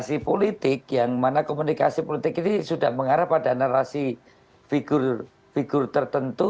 saya kira itu cara berpikirnya